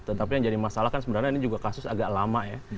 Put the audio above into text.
tetapi yang jadi masalah kan sebenarnya ini juga kasus agak lama ya